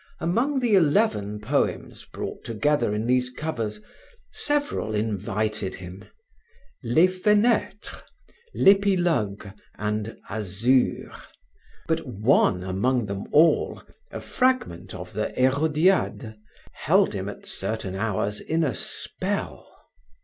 Among the eleven poems brought together in these covers, several invited him: Les fenetres, l'epilogue and Azur; but one among them all, a fragment of the Herodiade, held him at certain hours in a spell.